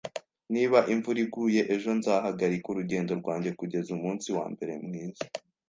Niba imvura iguye ejo, nzahagarika urugendo rwanjye kugeza umunsi wambere mwiza.